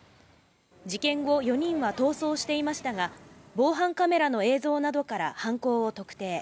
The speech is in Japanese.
事件後、４人は逃走していましたが、防犯カメラの映像などから犯行を特定。